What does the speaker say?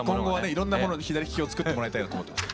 いろんな物左利き用作ってもらいたいなと思ってます。